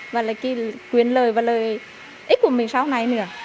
và là cái quyền lời và lời ít của mình sau này nữa